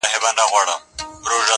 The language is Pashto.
په قصاب چي دي وس نه رسېږي وروره.!